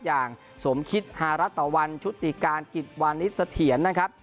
อย่างสมคิตฮารัตตะวันชุติการกิจวานิสเสถียรนะครับ